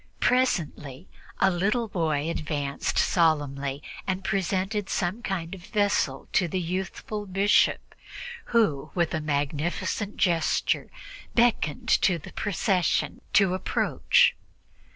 Presently a little boy advanced solemnly and presented some kind of a vessel to the youthful bishop, who, with a magnificent gesture, beckoned to the procession to approach.